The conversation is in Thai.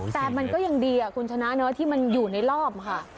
แต่มันก็ยังดีคุณชนะที่มันอยู่ในรอบค่ะ